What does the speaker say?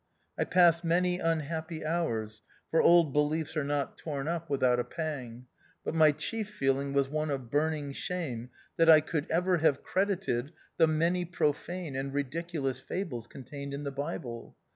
I passed many unhappy hours, for old beliefs are not torn up without a pang ; but my chief feeling was one of burning shame, that I could ever have credited the many profane and ridiculous fables contained in the Bible.